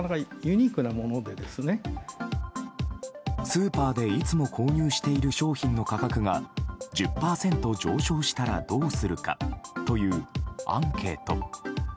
スーパーでいつも購入している商品の価格が１０％上昇したらどうするかというアンケート。